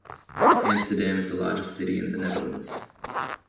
Amsterdam is the largest city in the Netherlands.